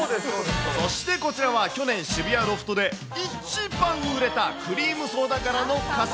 そしてこちらは去年、渋谷ロフトで一番売れたクリームソーダ柄の傘。